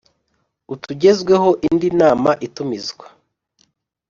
utugezweho indi nama itumizwa